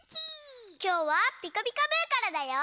きょうは「ピカピカブ！」からだよ。